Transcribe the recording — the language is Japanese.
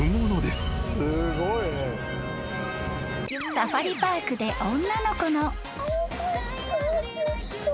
［サファリパークで女の子の］